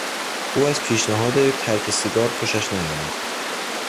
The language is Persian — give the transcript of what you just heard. او از پیشنهاد ترک سیگار خوشش نیامد.